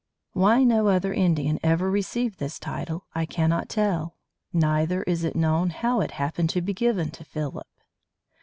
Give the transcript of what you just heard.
Why no other Indian ever received this title I cannot tell, neither is it known how it happened to be given to Philip.